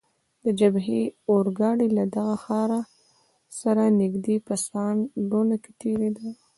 د جبهې اورګاډی له دغه ښار سره نږدې په سان ډونا کې تیریده.